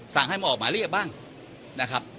ศาลให้มันออกหมายเรียบบ้างนะครับ